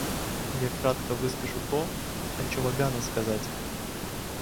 Я кратко выскажу то, о чем обязан сказать.